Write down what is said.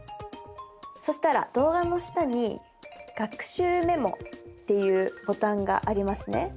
そしたら動画の下に「学習メモ」っていうボタンがありますね。